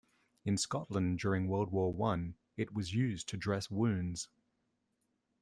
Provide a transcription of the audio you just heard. In Scotland, during World War One, it was used to dress wounds.